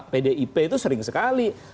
pdip itu sering sekali